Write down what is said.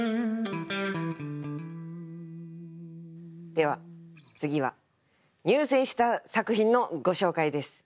では次は入選した作品のご紹介です。